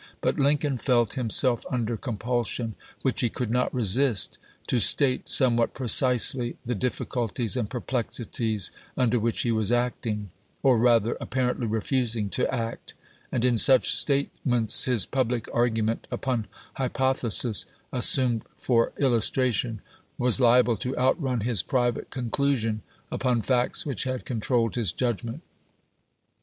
But Lincoln felt himself under conapulsion, which he could not resist, to state somewhat precisely the difficulties and perplexities under which he was acting, or, rather, apparently refusing to act ; and in such statements his public argument, upon hyi3othesis assumed for illustration, was liable to outrun his private conclusion upon facts which had controlled his judgment.